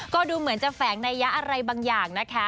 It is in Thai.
ก็ดูเหมือนจะแฝงนัยยะอะไรบางอย่างนะคะ